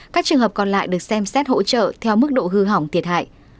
các trường hợp còn lại được xem xét hỗ trợ theo mức độ hư hỏng thiệt hại